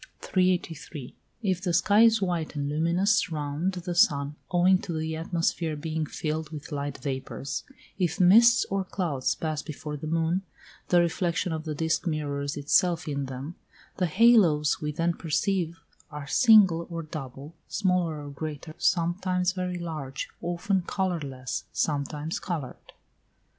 383. If the sky is white and luminous round the sun owing to the atmosphere being filled with light vapours; if mists or clouds pass before the moon, the reflection of the disk mirrors itself in them; the halos we then perceive are single or double, smaller or greater, sometimes very large, often colourless, sometimes coloured.